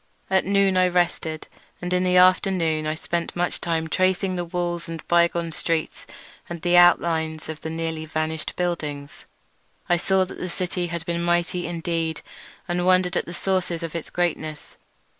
At noon I rested, and in the afternoon I spent much time tracing the walls, and the bygone streets, and the outlines of the nearly vanished buildings. I saw that the city had been mighty indeed, and wondered at the sources of its greatness.